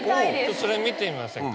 それ見てみませんか？